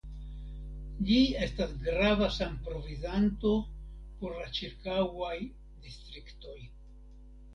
Ĝi estas grava sanprovizanto por la ĉirkaŭaj distriktoj.